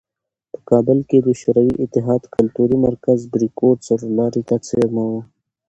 په کابل کې د شوروي اتحاد کلتوري مرکز "بریکوټ" څلورلارې ته څېرمه و.